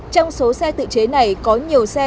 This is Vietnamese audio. trong số xe tự chế này có nhiều xe